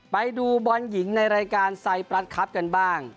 ไปดูบอลหญิงในรายการไซปรัสครับกันบ้าง